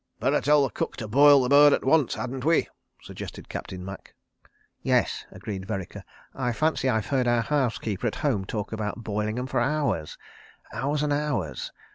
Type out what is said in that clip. ..." "Better tell the cook to boil the bird at once, hadn't we?" suggested Captain Macke. "Yes," agreed Vereker. "I fancy I've heard our housekeeper at home talk about boiling 'em for hours. Hours and hours.